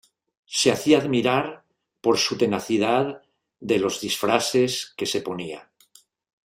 Se hacía admirar por su tenacidad de los disfraces que se ponía.